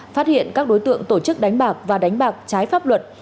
phát hiện các đối tượng tổ chức đánh bạc và đánh bạc trái pháp luật